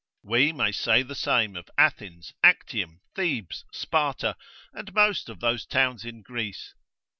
We may say the same of Athens, Actium, Thebes, Sparta, and most of those towns in Greece.